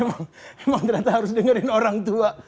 emang ternyata harus dengerin orang tua